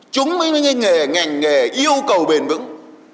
chúng mới ngành nghề yêu cầu bền vững